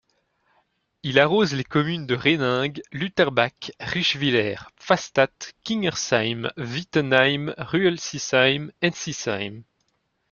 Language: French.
Il arrose les communes de Reiningue, Lutterbach, Richwiller, Pfastatt, Kingersheim, Wittenheim, Ruelisheim, Ensisheim.